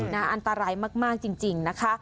อันตรายมากจริงนะคะ